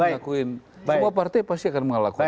melakuin semua partai pasti akan melakukan